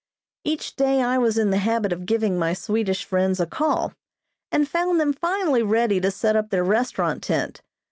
Each day I was in the habit of giving my Swedish friends a call, and found them finally ready to set up their restaurant tent.